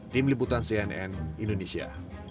tim liputan cnn indonesia